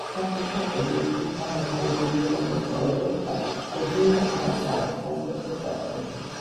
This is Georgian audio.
საბჭოთა პერიოდში განვითარებული იყო მეცხოველეობა, შედიოდა ბარისახოს სასოფლო საბჭოში.